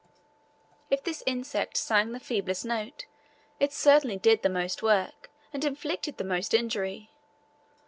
If this insect sang the feeblest note, it certainly did the most work, and inflicted the most injury.